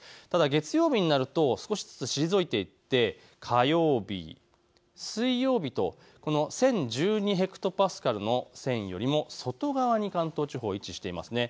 月曜日になると少し退いていって、火曜日、水曜日と１０１２ｈＰａの線よりも外側に関東地方、位置していますね。